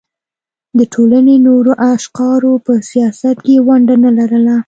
د ټولنې نورو اقشارو په سیاست کې ونډه نه لرله.